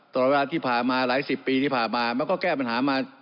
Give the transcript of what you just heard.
ตลอดเวลาที่ผ่านมาหลายสิบปีที่ผ่านมามันก็แก้ปัญหามา